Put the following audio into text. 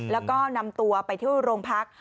แล้วก็นำตัวไปที่โรงพัก